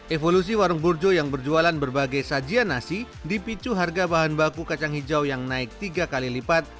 evolusi warung burjo yang berjualan berbagai sajian nasi dipicu harga bahan baku kacang hijau yang naik tiga kali lipat